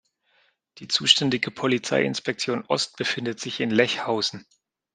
Die zuständige Polizeiinspektion Ost befindet sich in Lechhausen.